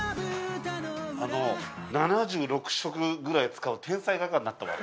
あの７６色ぐらい使う天才画家になったわ。